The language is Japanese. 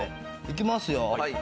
いきますよ。